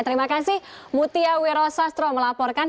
terima kasih mutia wiro sastro melaporkan